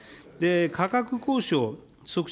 価格交渉促進